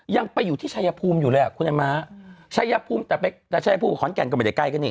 ยังไปอยู่ที่ชายภูมิอยู่เลยอ่ะคุณไอ้ม้าชายภูมิแต่ไปแต่ชายภูมิกับขอนแก่นก็ไม่ได้ไกลกันนี่